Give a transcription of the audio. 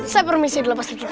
saya permisi dulu pastor giti